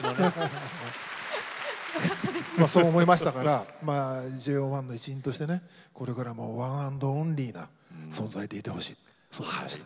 そう思いましたからＪＯ１の一員としてワンアンドオンリーな存在でいてほしいと思います。